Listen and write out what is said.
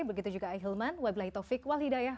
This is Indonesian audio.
begitu juga ay hilman wa bilayah taufiq wa lidah